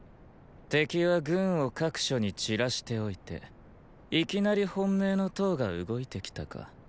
敵は軍を各所に散らしておいていきなり本命の騰が動いてきたか。